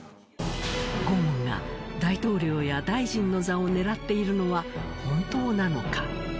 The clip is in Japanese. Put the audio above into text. ゴーンが大統領や大臣の座を狙っているのは本当なのか？